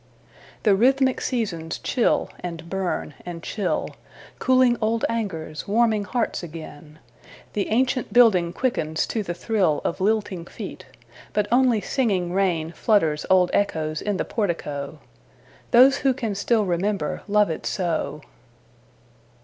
The rhythmic seasons chill and burn and chill, Cooling old angers, warming hearts again. The ancient building quickens to the thrill Of lilting feet; but only singing rain Flutters old echoes in the portico; Those who can still remember love it so.